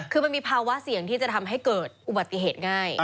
คือมันมีภาวะเสี่ยงที่จะทำให้เกิดอุบัติเหตุง่าย